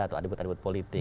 atau atribut atribut politik